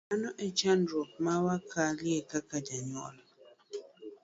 Mano e chandruok ma wakale kaka jonyuol.